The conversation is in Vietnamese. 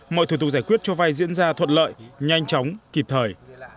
mọi thủ tục giải quyết cho vay diễn ra thuận lợi nhanh chóng kịp thời